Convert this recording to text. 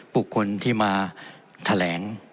บุคคลที่มาแถลง